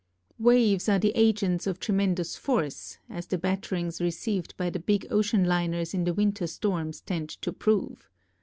Waves are the agents of tremendous force, as the batterings received by the big ocean liners in the winter storms tend to prove.